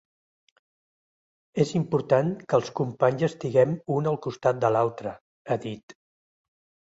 És important que els companys estiguem un al costat de l’altre, ha dit.